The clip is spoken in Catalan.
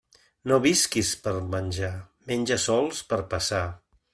No visquis per menjar, menja sols per passar.